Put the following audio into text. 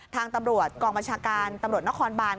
ทางตำรวจกองบัญชาการตำรวจนครบาน